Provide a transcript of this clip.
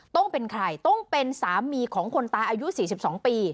ต้องเป็นใครต้องเป็นสามีของคนตายอายุ๔๒ปี